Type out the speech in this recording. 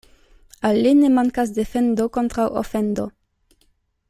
Al li ne mankas defendo kontraŭ ofendo.